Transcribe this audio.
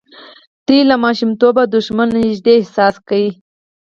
دوی له ماشومتوبه دښمن له نږدې احساس کړی.